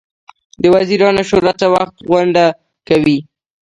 د وزیرانو شورا څه وخت غونډه کوي؟